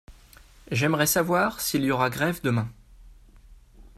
J’aimerais savoir s’il y aura grève demain.